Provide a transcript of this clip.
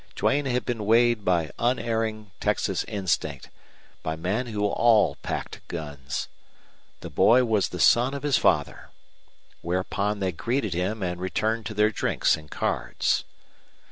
Duane had been weighed by unerring Texas instinct, by men who all packed guns. The boy was the son of his father. Whereupon they greeted him and returned to their drinks and cards.